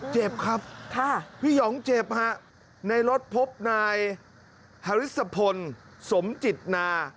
เจ็บครับพี่หยองเจ็บฮะในรถพบนายฮาริสพลสมจิตนา